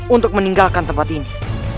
untuk meninggalkan tempat ini